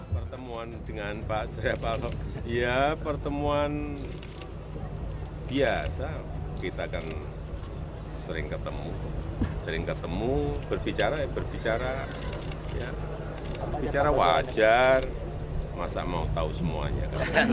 pertemuan dengan pak surya paloh ya pertemuan biasa kita kan sering ketemu sering ketemu berbicara ya berbicara bicara wajar masa mau tahu semuanya